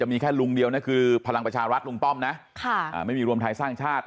มีแค่ลุงเดียวนะคือพลังประชารัฐลุงป้อมนะไม่มีรวมไทยสร้างชาติ